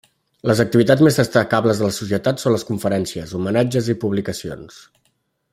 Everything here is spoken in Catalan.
Les activitats més destacables de la Societat són les conferències, homenatges i publicacions.